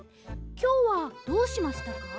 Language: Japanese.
きょうはどうしましたか？